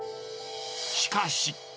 しかし。